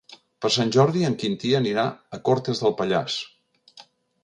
Per Sant Jordi en Quintí anirà a Cortes de Pallars.